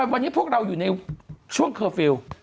วันนี้พวกเราอยู่ในช่วงเคอร์ฟิลล์